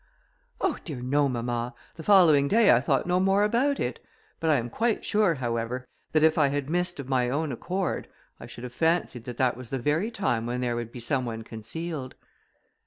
"Oh! dear, no, mamma; the following day I thought no more about it; but I am quite sure, however, that if I had missed of my own accord, I should have fancied that that was the very time when there would be some one concealed."